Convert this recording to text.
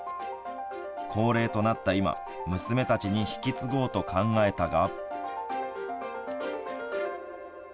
高齢となった今娘たちに引き継ごうと考えたが。